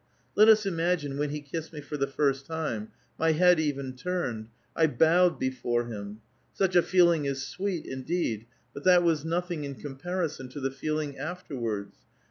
Let us imagine when he kissed me for the first time : my head even turned ; I bowed before him. Such a feeling is sweet, in deed ; but that was nothing in comparison to the feeling afterwards.